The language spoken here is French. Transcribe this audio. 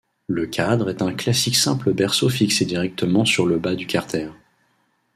Le cadre est un classique simple berceau fixé directement sur le bas du carter.